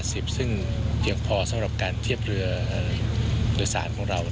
ซึ่งเพียงพอสำหรับการเทียบเรือโดยสารของเรา